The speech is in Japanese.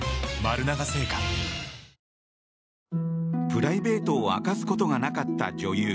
プライベートを明かすことがなかった女優